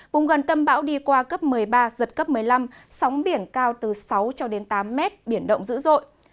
vùng gần tâm bão đi qua cấp một mươi ba giật cấp một mươi năm sóng biển cao từ sáu tám m biển động dữ dội